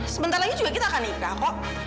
sebentar lagi juga kita akan nikah kok